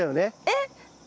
えっ？